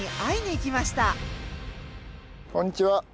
こんにちは。